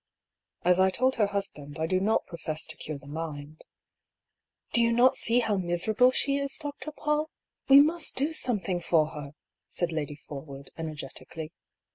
" As I told her husband, I do not profess to cure the mind." " Do you not see how miserable she is. Dr. PauU ? We must do something for her," said Lady Forwood, energetically.